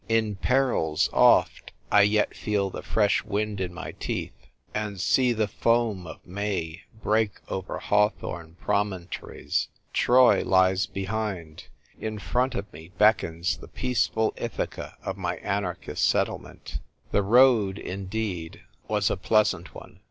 In perils oft, I yet feel the fresh wind in my teeth, and see the foam VIVE l'anarciiie! 51 of May break over hawthorn promontories. Troy lies behind ; in front of me beckons the peaceful Ithaca of my anarchist settle ment." The road, indeed, was a pleasant one.